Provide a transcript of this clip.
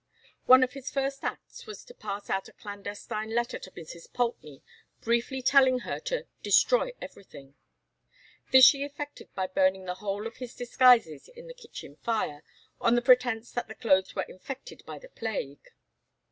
One of his first acts was to pass out a clandestine letter to Mrs. Poultney, briefly telling her to "destroy everything." This she effected by burning the whole of his disguises in the kitchen fire, on the pretence that the clothes were infected by the plague.